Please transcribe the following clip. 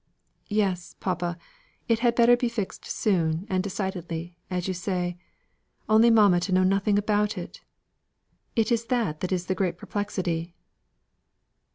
"Yes, papa, it had better be fixed soon and decidedly, as you say. Only mamma to know nothing about it! It is that that is the great perplexity."